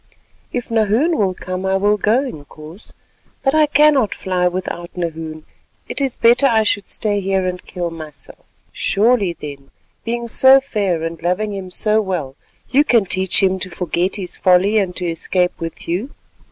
"If Nahoon will come, I will go, Inkoos, but I cannot fly without Nahoon; it is better I should stay here and kill myself." "Surely then being so fair and loving him so well, you can teach him to forget his folly and to escape with you.